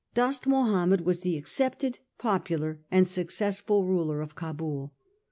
Dost Mahomed was the accepted, popular and successful ruler of Cahul.